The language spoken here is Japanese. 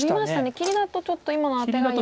切りだとちょっと今のアテが嫌だと。